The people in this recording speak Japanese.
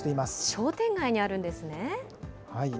商店街にあるんですね。